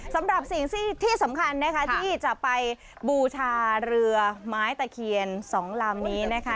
สำหรับสิ่งที่สำคัญนะคะที่จะไปบูชาเรือไม้ตะเคียน๒ลำนี้นะคะ